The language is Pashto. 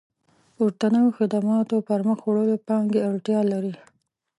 پورتنيو خدماتو پرمخ وړلو پانګې اړتيا لري.